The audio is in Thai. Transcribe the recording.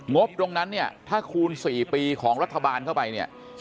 งบตรงนั้นถ้าคูณ๔ปีของรัฐบาลเข้าไป